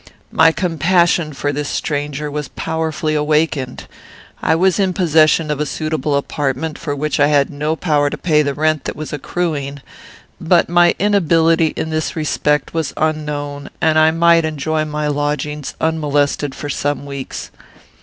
"My compassion for this stranger was powerfully awakened. I was in possession of a suitable apartment, for which I had no power to pay the rent that was accruing; but my inability in this respect was unknown, and I might enjoy my lodgings unmolested for some weeks.